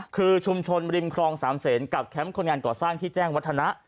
คือชุมชนริมครองสามเศษกับแคมป์คนงานก่อสร้างที่แจ้งวัฒนะ